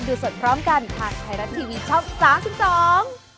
ดรอง